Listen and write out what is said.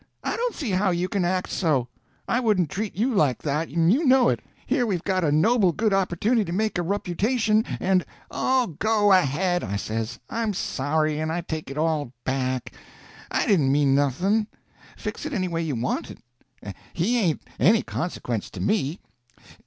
I don't see how you can act so. I wouldn't treat you like that, and you know it. Here we've got a noble good opportunity to make a ruputation, and—" "Oh, go ahead," I says. "I'm sorry, and I take it all back. I didn't mean nothing. Fix it any way you want it. He ain't any consequence to me.